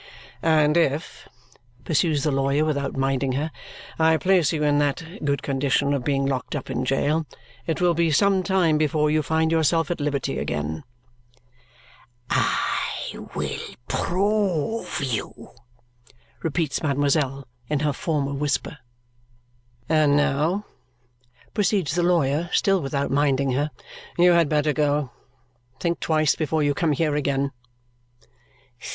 "And if," pursues the lawyer without minding her, "I place you in that good condition of being locked up in jail, it will be some time before you find yourself at liberty again." "I will prove you," repeats mademoiselle in her former whisper. "And now," proceeds the lawyer, still without minding her, "you had better go. Think twice before you come here again."